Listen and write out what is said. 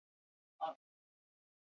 现在是圣水支线的起点。